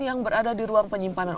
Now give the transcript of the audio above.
yang berada di ruang penyimpanan